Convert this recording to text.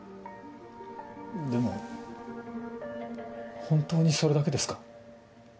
でも本当にそれだけですか？